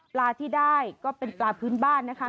ปลาที่ได้ก็เป็นปลาพื้นบ้านนะคะ